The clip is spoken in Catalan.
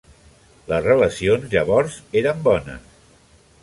Les relacions llavors eren bones.